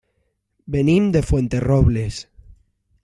Venim de Fuenterrobles.